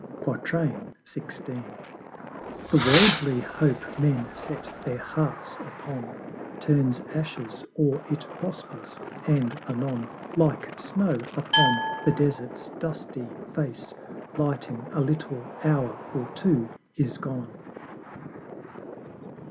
XVI. The Worldly Hope men set their Hearts upon Turns Ashes or it prospers; and anon, Like Snow upon the Desert's dusty Face, Lighting a little hour or two is gone.